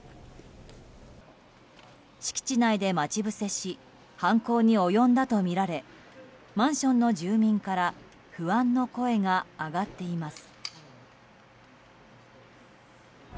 敷地内で待ち伏せし犯行に及んだとみられマンションの住民から不安の声が上がっています。